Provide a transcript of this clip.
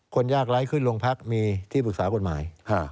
ยากไร้ขึ้นโรงพักมีที่ปรึกษากฎหมาย